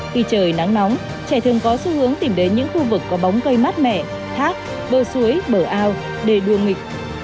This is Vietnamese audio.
khi trời nắng nóng trẻ thường có xu hướng tìm đến những khu vực có bóng cây mát mẻ thác bơ suối bờ ao để đua nghịch